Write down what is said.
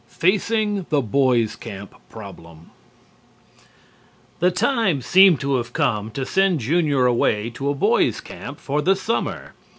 XXIII FACING THE BOYS' CAMP PROBLEM The time seemed to have come to send Junior away to a boys' camp for the summer.